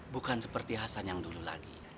bukan seperti hasan yang dulu lagi